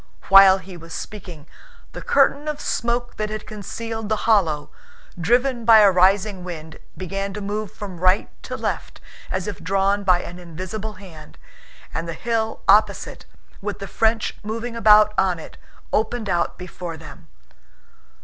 While he was speaking, the curtain of smoke that had concealed the hollow, driven by a rising wind, began to move from right to left as if drawn by an invisible hand, and the hill opposite, with the French moving about on it, opened out before them.